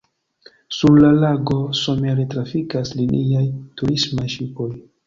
Sur la lago somere trafikas liniaj turismaj ŝipoj.